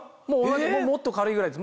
もっと軽いぐらいです。